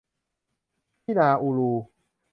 ที่นาอูรู